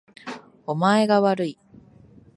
お前がわるい